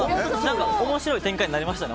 面白い展開になりましたね。